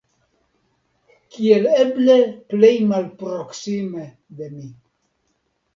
Kiel eble plej malproksime de mi.